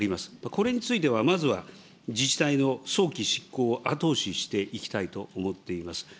これについてはまずは、自治体の早期執行を後押ししていきたいと思っています。